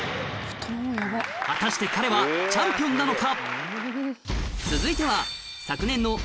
果たして彼はチャンピオンなのか？